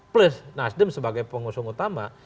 plus nasdem sebagai pengusung utama